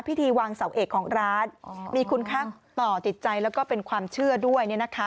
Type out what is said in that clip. พิธีวางเสาเอกของร้านมีคุณค่าต่อจิตใจแล้วก็เป็นความเชื่อด้วย